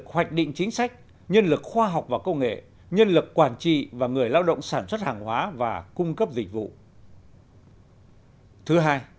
ba hoạch định chính sách nhân lực khoa học và công nghệ nhân lực quản trị và người lao động sản xuất hàng hóa và cung cấp dịch vụ